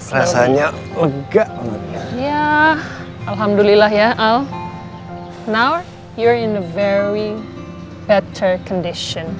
sekarang kamu dalam kondisi yang sangat baik